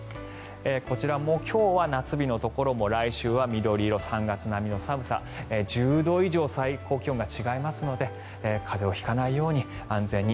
こちらも今日は夏日のところも来週は緑色、３月並みの寒さ１０度以上最高気温が違いますので風邪を引かないように安全に。